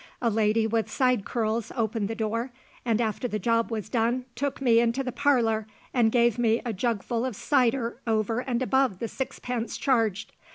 A lady with side curls opened the door, and after the job was done took me into the parlour an' gave me a jugful of cider over and above the sixpence charged.